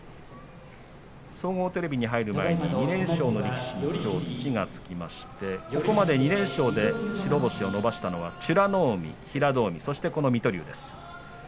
総合テレビに入る前に２連勝の力士、きょう土がつきまして、ここまで２連勝で白星を伸ばしたのは美ノ海平戸海、そして、この水戸龍です。